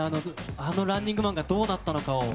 あのランニングマンがどうなったのかを。